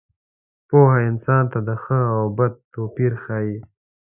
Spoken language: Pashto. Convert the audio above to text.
پوهه انسان ته د ښه او بد توپیر ښيي.